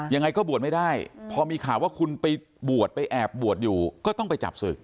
ยังไงก็บวชไม่ได้พอมีข่าวว่าคุณไปบวชไปแอบบวชอยู่ก็ต้องไปจับศึก